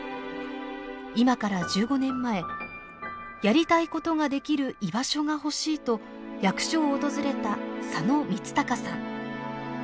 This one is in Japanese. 今から１５年前やりたいことができる居場所が欲しいと役所を訪れた佐野光孝さん。